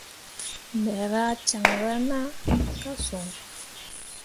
Me rah caŋra na ka son.